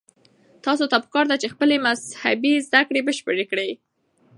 تاسو ته پکار ده چې خپلې مذهبي زده کړې بشپړې کړئ.